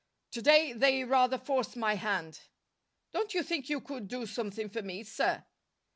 To day they rather forced my hand." "Don't you think you could do something for me, sir?"